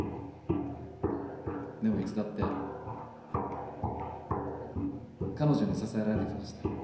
でもいつだって彼女に支えられてきました。